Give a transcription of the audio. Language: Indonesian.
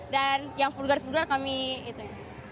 dan yang vulgar vulgar kami itu